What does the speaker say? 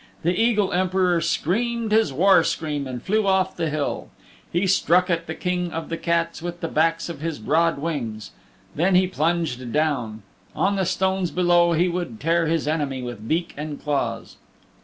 The Eagle Emperor screamed his war scream and flew off the hill. He struck at the King of the Cats with the backs of his broad wings. Then he plunged down. On the stones below he would tear his enemy with beak and claws.